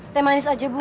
teh manis aja bu